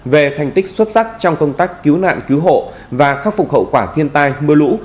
về thành tích xuất sắc trong công tác cứu nạn cứu hộ và khắc phục hậu quả thiên tai mưa lũ